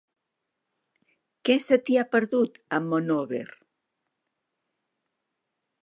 Què se t'hi ha perdut, a Monòver?